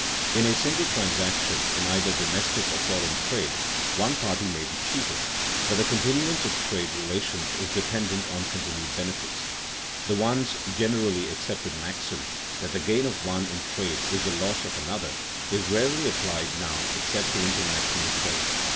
In a single transaction in either domestic or foreign trade one party may be cheated, but the continuance of trade relations is dependent on continued benefits. The once generally accepted maxim that the gain of one in trade is the loss of another, is rarely applied now except to international trade.